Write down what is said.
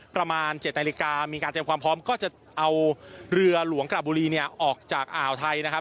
ประมาณ๗นาฬิกามีการเตรียมความพร้อมก็จะเอาเรือหลวงกระบุรีเนี่ยออกจากอ่าวไทยนะครับ